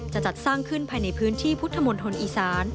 จะจัดสร้างขึ้นภายในพื้นที่พุทธมณฑลอีสาน